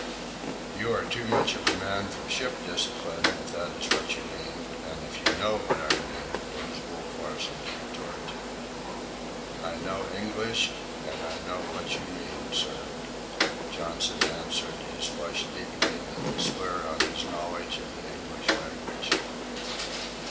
"You are too much of a man for ship discipline, if that is what you mean, and if you know what I mean," was Wolf Larsen's retort. "I know English, and I know what you mean, sir," Johnson answered, his flush deepening at the slur on his knowledge of the English language.